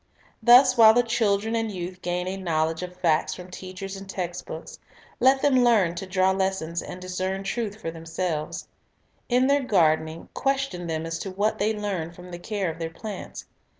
Other Illustrations Thus while the children and youth gain a knowl edge of facts from teachers and text books, let them learn to draw lessons and discern truth for themselves. In their gardening, question them as to what they learn from the care of their plants.